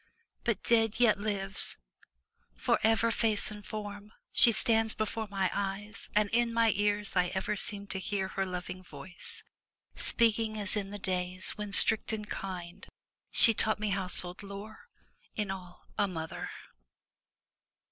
But dead yet lives— for, ever, face and form. She stands before my eyes; and in my ears I ever seem to hear her loving voice Speaking as in the days when, strict and kind. She taught me household lore — in all a mother.